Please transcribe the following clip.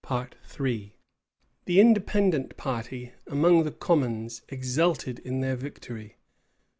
p. 797, 798, etc. The Independent party among the commons exulted in their victory.